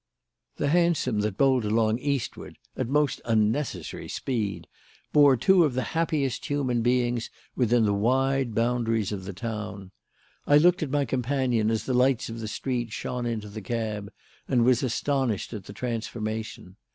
The hansom that bowled along eastward at most unnecessary speed bore two of the happiest human beings within the wide boundaries of the town. I looked at my companion as the lights of the street shone into the cab, and was astonished at the transformation.